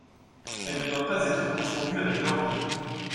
Elle ne doit pas être confondue avec l'envie.